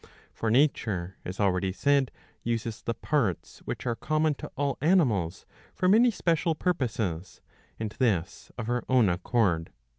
For nature, as already said,^^ uses the parts which are common to all animals for many special purposes, and this of her own accord.